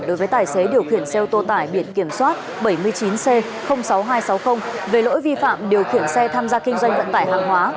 đối với tài xế điều khiển xe ô tô tải biển kiểm soát bảy mươi chín c sáu nghìn hai trăm sáu mươi về lỗi vi phạm điều khiển xe tham gia kinh doanh vận tải hàng hóa